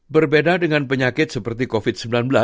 berbeda dengan penyakit seperti covid sembilan belas